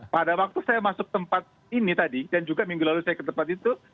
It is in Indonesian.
pada waktu saya masuk tempat ini tadi dan juga minggu lalu saya ke tempat itu